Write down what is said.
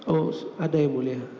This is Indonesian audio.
oh ada yang boleh